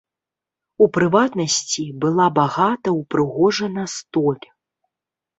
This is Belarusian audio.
У прыватнасці, была багата ўпрыгожана столь.